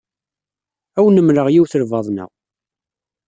Ad awen-mmleɣ yiwet n lbaḍna.